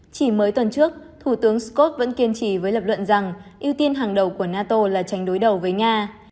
chỉ mới tuần trước thủ tướng scott vẫn kiên trì với lập luận rằng ưu tiên hàng đầu của nato là tránh đối đầu với nga